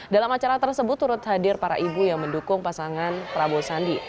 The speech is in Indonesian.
dalam acara tersebut turut hadir para ibu yang mendukung pasangan prabowo sandi